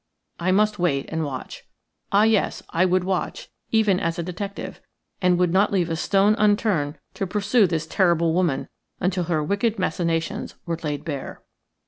I must wait and watch; ah, yes, I would watch, even as a detective, and would not leave a stone unturned to pursue this terrible woman until her wicked machinations were laid bare.